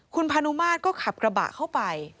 คุณพานุมาตรก็ขับกระบะเข้าไป